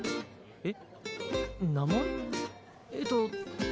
えっ？